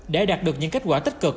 để đạt được những kết quả tích cực